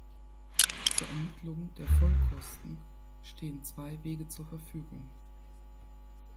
Zur Ermittlung der Vollkosten stehen zwei Wege zur Verfügung.